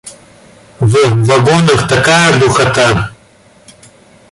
В вагонах такая духота.